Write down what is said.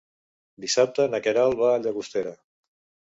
Dissabte na Queralt va a Llagostera.